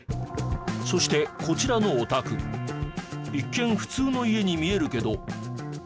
そしてこちらのお宅一見普通の家に見えるけど。